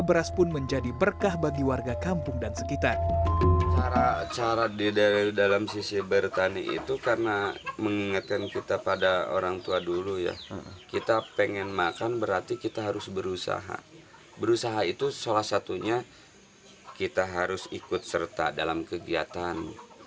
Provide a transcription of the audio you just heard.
berusaha itu salah satunya kita harus ikut serta dalam kegiatan